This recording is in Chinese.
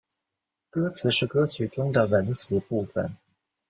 歌词是歌曲中的文词部分。